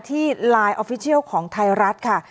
ที่ไลน์ออฟฟิเชียลของไทยรัฐค่ะ